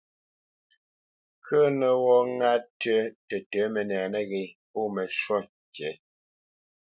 Ŋkə̄ə̄nə́ wɔ́ ŋá tʉ tətə̌ mənɛ nəghé pô məshwúʼ ŋkǐ.